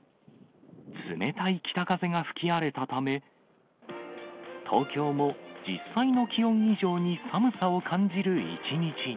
冷たい北風が吹き荒れたため、東京も実際の気温以上に寒さを感じる一日に。